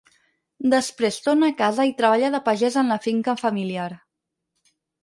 Després, torna a casa i treballa de pagès en la finca familiar.